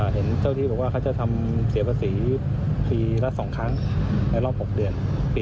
เห็นเจ้าพี่บอกว่าเขาจะทำเศียบศีลพีละสองครั้งใส่รอบ๖เดือน